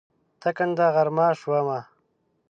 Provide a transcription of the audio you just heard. ټکنده غرمه شومه